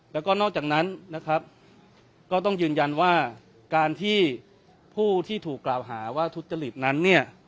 แล้วก็นอกจากนั้นนะครับก็ต้องยืนยันว่าการที่ผู้ที่ถูกกล่าวหาว่าทุจริตนั้นเนี่ย